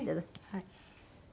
はい。